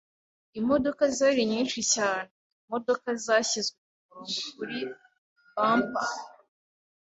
Imodoka zari nyinshi cyane. Imodoka zashyizwe kumurongo kuri bumper.